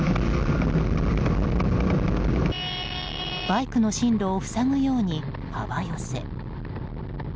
バイクの進路を塞ぐように幅寄せ。